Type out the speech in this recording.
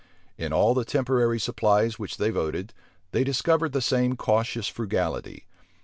In all the temporary supplies which they voted, they discovered the same cautious frugality.